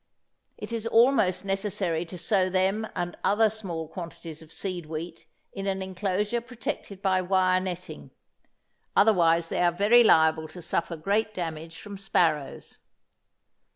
It is almost necessary to sow them and other small quantities of seed wheat in an enclosure protected by wire netting. Otherwise they are very liable to suffer great damage from sparrows.